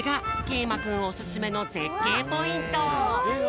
いまくんおすすめのぜっけいポイント。